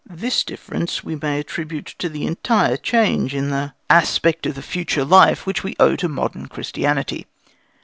This difference we may attribute to the entire change in the aspect of the future life which we owe to modern Christianity.